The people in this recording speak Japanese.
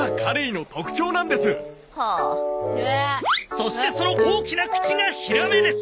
そしてその大きな口がヒラメです！